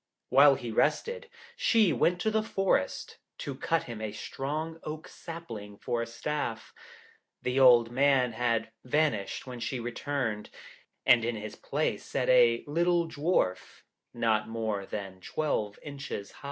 While he rested, she went to the forest, to cut him a strong oak sapling for a staff. The old man had vanished when she returned, and in his place sat a little Dwarf, not more than twelve inches high.